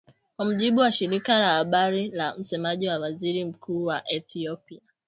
Kwa mujibu wa shirika la habari la msemaji wa waziri mkuu wa Ehiopia